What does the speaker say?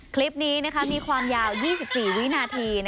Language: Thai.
คลิปนี้มีความยาว๒๔วินาที